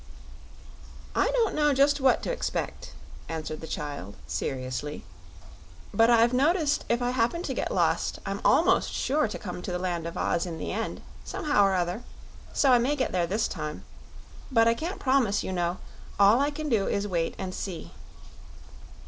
"I don't know just what to 'spect," answered the child, seriously; "but I've noticed if I happen to get lost I'm almost sure to come to the Land of Oz in the end, somehow 'r other; so I may get there this time. But I can't promise, you know; all I can do is wait and see."